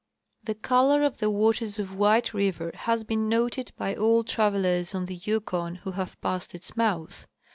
The color of the waters of White river has been noted by all travelers on the Yukon who have passed its mouth.